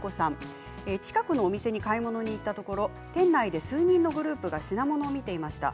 近くのお店に買い物に行った時店内で数人のグループが品物を見ていました。